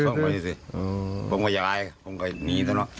คมกันไว้สิผมก็อย่าล้ายผมก็หนีซะเนอะ